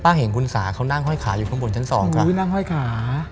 ป้าเห็นคุณสาห์เขานั่งห้อยขาอยู่ข้างบนชั้นสองค่ะ